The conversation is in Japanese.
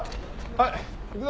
はい。